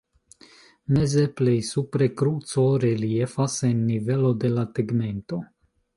Meze plej supre kruco reliefas en nivelo de la tegmento.